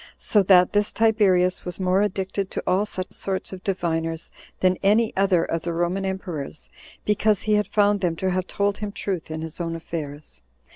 So that this Tiberius was more addicted to all such sorts of diviners than any other of the Roman emperors, because he had found them to have told him truth in his own affairs.